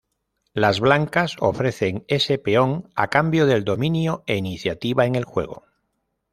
Las blancas ofrecen ese peón a cambio del dominio e iniciativa en el juego.